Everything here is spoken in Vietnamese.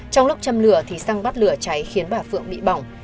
trong lúc châm lửa thì xăng bắt lửa cháy khiến bà phượng bị bỏng